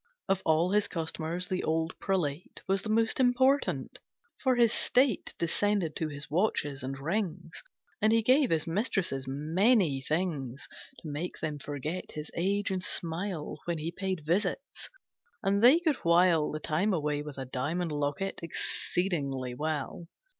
Of all His customers the old prelate Was the most important, for his state Descended to his watches and rings, And he gave his mistresses many things To make them forget his age and smile When he paid visits, and they could while The time away with a diamond locket Exceedingly well.